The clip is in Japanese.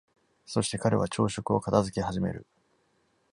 そして彼は、朝食を片付け始める。